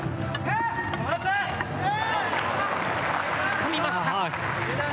つかみました。